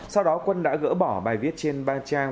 sau đó quân đã gỡ bỏ bài viết trên ba trang